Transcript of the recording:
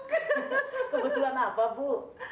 kebetulan apa bu